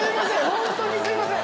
ホントにすいません！